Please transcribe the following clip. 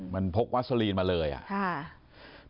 มันพกวัสลีนมาเลยอ่ะค่ะ